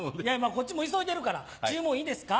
こっちも急いでるから注文いいですか？